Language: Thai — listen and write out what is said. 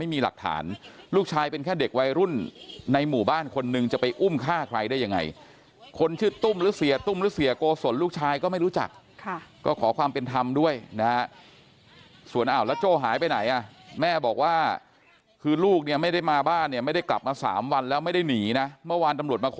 หลักฐานลูกชายเป็นแค่เด็กวัยรุ่นในหมู่บ้านคนนึงจะไปอุ้มฆ่าใครได้ยังไงคนชื่อตุ้มหรือเสียตุ้มหรือเสียโกศลลูกชายก็ไม่รู้จักก็ขอความเป็นธรรมด้วยนะส่วนอ้าวแล้วโจ้หายไปไหนอ่ะแม่บอกว่าคือลูกเนี่ยไม่ได้มาบ้านเนี่ยไม่ได้กลับมา๓วันแล้วไม่ได้หนีนะเมื่อวานตำรวจมาขอ